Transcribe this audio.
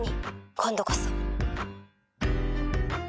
今度こそ